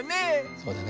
そうだね。